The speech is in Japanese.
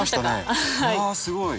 あすごい。